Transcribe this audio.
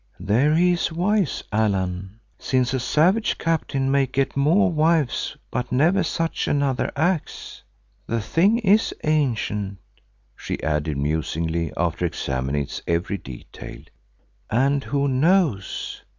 "There he is wise, Allan, since a savage captain may get more wives but never such another axe. The thing is ancient," she added musingly after examining its every detail, "and who knows?